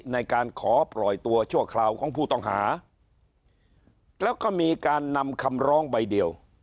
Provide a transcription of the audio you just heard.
ในการขอปล่อยตัวชั่วคราวของผู้ต้องหาแล้วก็มีการนำคำร้องใบเดียว